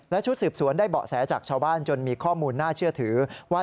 และชุดสืบสวนได้เบาะแสจากชาวบ้านจนมีข้อมูลน่าเชื่อถือว่า